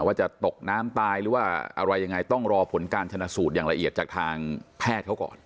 ว่าจะตกน้ำตายหรือว่าอะไรยังไงต้องรอผลการชนะสูตรอย่างละเอียดจากทางแพทย์เขาก่อน